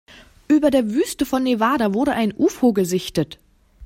Über der Wüste von Nevada wurde ein Ufo gesichtet.